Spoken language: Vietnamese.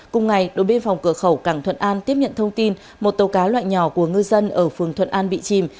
cùng ngày đội biên phòng cửa khẩu cảng thuận an tiếp nhận thông tin một tàu cá loại nhỏ của ngư dân ở phường thuận an bị chìm